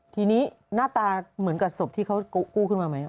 ทีนี้หน้าตาเหมือนกับศพที่เขากู้ขึ้นมาไหม